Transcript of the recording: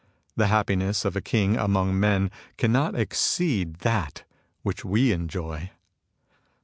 The happiness of a king among men cannot exceed that which we enjoy."